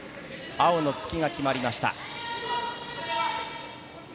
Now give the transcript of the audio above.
青の突きが決まりました。